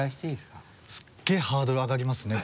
すげぇハードル上がりますね